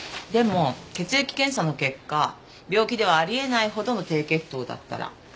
でも血液検査の結果病気ではあり得ないほどの低血糖だったら？